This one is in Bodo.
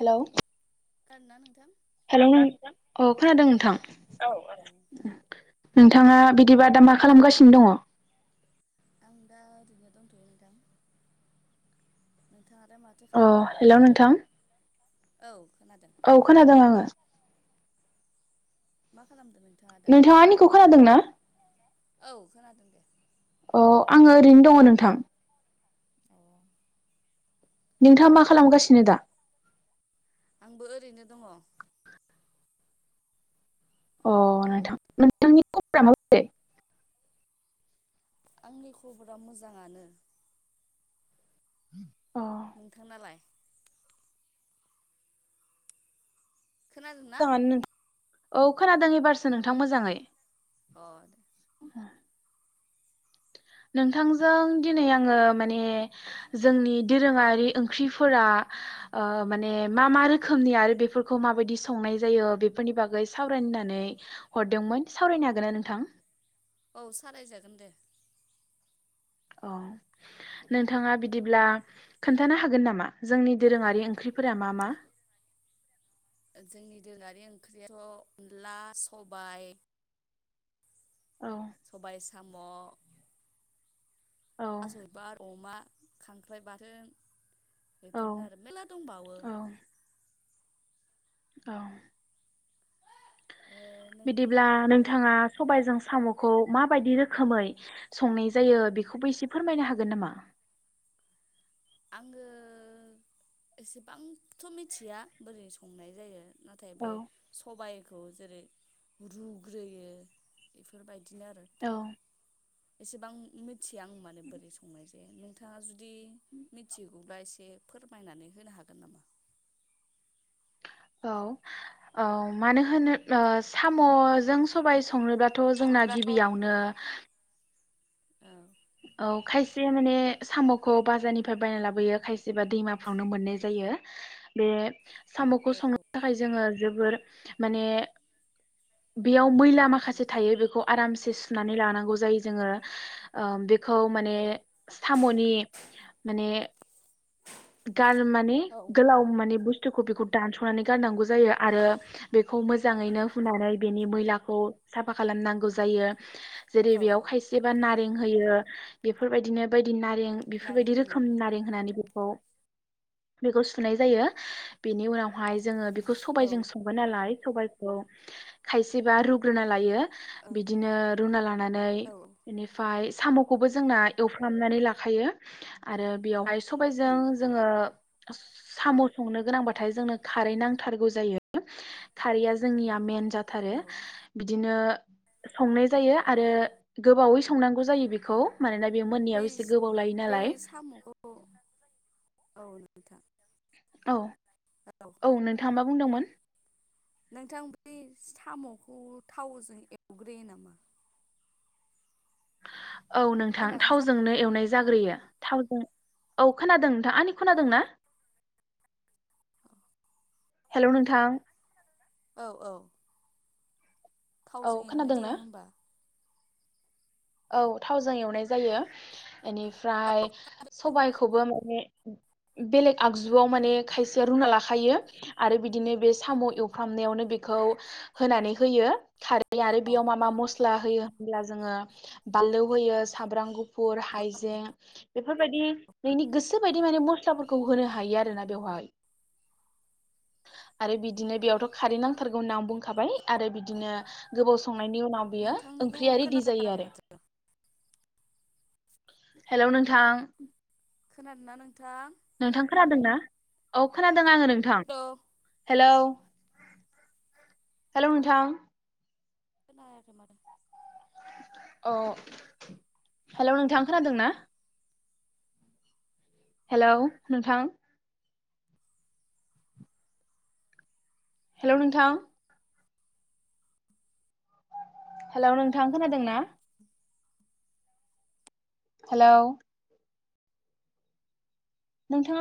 हेलौ खोनादोंना नोंथां हेलौ औ खोनादों नोंथां औ नोंथाङा बिदिबा दा मा खालामगासिनो दङ आं दा ओरैनो दंथ'यो नोंथां नोंथाङालाय माथो अ खालामदों हेलौ नोंथां औऋझन औ खोनादों आङो मा खालाम नोंथाङा आंनिखौ खोनादों ना औ खोनादों दे अ आङो ओरैनो दङ नोंथां अ नोंथाङा मा खालामगासिनो दा आंबो ओरैनो दङ अ नोंथां नोंथांनि खबरा माबोरै आंनि खबरा मोजाङानो अ मोजाङानो नोंथांनालाय खोनादोंना जाङानो नों औ खोनादों एबारसो नोंथां मोजाङै अ दे [unintelligible] नोंथांजों दिनै आङो माने जोंनि दोरोङारि ओंख्रिफोरा ओ माने मा मा रोखोमनि आरो बेफोरखौ माबायदि संनाय जायो बेफोरनि बागै सावरायनानै हरदोंमोन सावरायनो हागोन ना नोंथां औ सालायजागोन दे अ नोंथाङा बिदिब्ला खोन्थानो हागोन नामा जोंनि दोरोङारि ओंख्रिफोरा मा मा जोंनि दोरोङारि ओंख्रियाथ' अनदला सबाइ औ सबाइ साम' औ थास'बिबार अमा खांख्राइ बाथोन औ बेफोरनो आरो मेरला दंबावो औ औ ओ नों बिदिब्ला नोंथाङा ओ सबाइजों साम'खौ माब बायदि रोखोमै संनाय जायो बेखौबो इसे फोरमायनो हागोन नामा आङो एसेबांथ' मिथिया बोरै संनाय जायो नाथाय औ बे सबाइ जेरै रुग्रोयो बेफोरबाय बिदिनो आरो औ थाव एसेबां [unintelligible] थिया आं मानो बोरै संनाय दे नोंथाङा जु [unintelligible] मिथिगौब्ला एसे फोरमायनानै होनो हागोन नामा औ औ मानो होनो ओ साम'जों सबाइ संनोब्लाथ' जोंना गिबियावनो ओं औ खायसे माने साम'खौ बाजारनिफ्राय बायना लाबोयो खायसेबा दैमाफ्रावनो मोननाय जायो बे साम'खौ संनो थाखाय जोङो जोबोर माने बेयाव मैला उम माखासे थायो बेखौ आरामस दिस सुनानै लानांगौ जायो जोङो ओ बे खौ माने औ साम'नि माने गान माने औ गोलााव माने बुसथु बुस्थुखौ बेखौ दानस'नानै गारनांगौ जायो आरो बेखौ मोजाङैनो हुनानै बेनि मैलाखौ साफा खालामनांगौ जायो। जेरै औ बेयाव औ खायसेबा नारें होयो। बेफोरबायदिनो बायदि बि नारें नारें बेफोरबायदि बिं रोखोमनि नारें होनानै बे खौ बेखौ सुनाय जायो। बेनि उनावहाय जोङो बेखौ औ सबायजों संगोन नालाय सबायाइखौ खायसेबा रुग्रोना लायो। ओं बिदिनो रुना लानानै औ बिनिफ्राय साम'खौबो जोंना एवफ्रामनानै लाखायो आरो बेयावहाय उम सबायजों साम संनो गोनांबाथाय जोंनो खारै नांथखरगौ जायो खारैया जोंना मेन जाथारो औ बिदिनो संनाय जायो आरो गोबावै संनांगौ जायो बेखौ मानोना बे मोननायाव एसे गोबाव लायो बे नालाय साम'खौ औ नोंथां औ औ नोंथाङा बुंदोंमोन। नोंथां बै साम'खौ थावजों एवग्रोयो नामा? औ नोंथां थावजोंनो एवनाय जाग्रोयो थावजों औ खोनादों नोंथां आंनि खोनादों ना हेलौ नोंथां? औ औ। औ थावजों एवनाय खोनादोंना जायो होमबा औ थावजों एवनाय जायो एनिफ्राय सबायाइखौबो माने बेलेग आगजुआव माने खायसेया रुना लाखा खायो आरो बिदिनो बे साम' एवफ्रामनायावनो बेखौ होनानै होयो। खारै आरो बेयाव मा मा मस्ला होयो होनब्ला जोङो। बानलौ होयो सामब्राम गुफ फुर हाइजें बेफोरबायदि नोंनि गोसोबायदि माने मस्लाफोरखौ होनो हायो आरोना बेवहाय आरो बिदिनो बेयावथ' खारै नांथारगौ होनना आं बुंखाबाय आरो बिदिनो गोबाव सम संनायनि उनाव बियो नोंथांनिखौ ओंख्रिया रेदि जायो आरो। [inaudible] हेलौ नोंथां खोनादों ना नोंथां नोंथां खोनादोंना औ खोना आङो नोंथां हेलौ हेलौ हेल' नोंथां खोनायाखै माथो अ हेलौ नोंथाङा खोनादों ना हेलौ नोंथां हेलौ नोंथां हेलौ नोंथां खोनादों ना हेलौ नोंथाङा